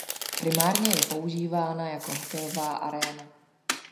Primárně je používána jako hokejová aréna.